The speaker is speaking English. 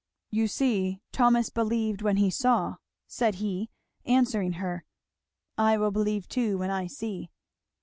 "You see Thomas believed when he saw" said he, answering her; "I will believe too when I see."